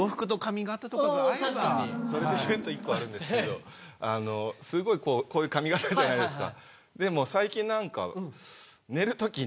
それと１個あるんですけどこういう髪形じゃないですか。